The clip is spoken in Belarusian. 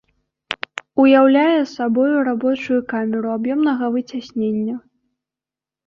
Уяўляе сабою рабочую камеру аб'ёмнага выцяснення.